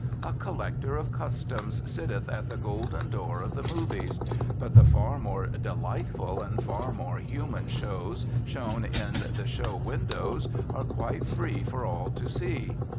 A collector of customs sitteth at the golden door of the movies; but the far more delightful and far more human shows shown in the show windows are quite free for all to see.